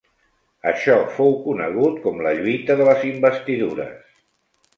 Això fou conegut com la lluita de les Investidures.